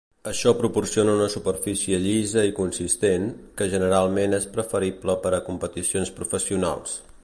Això proporciona una superfície llisa i consistent, que generalment és preferible per a competicions professionals.